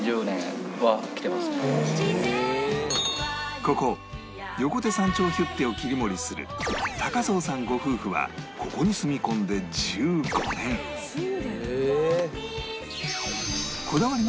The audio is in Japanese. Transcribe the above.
ここ横手山頂ヒュッテを切り盛りする高相さんご夫婦はここに住み込んで１５年住んでるの？